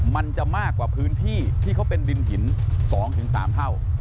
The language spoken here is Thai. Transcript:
มันจะมากกว่าพื้นที่ที่เขาเป็นดินหิน๒๓เท่า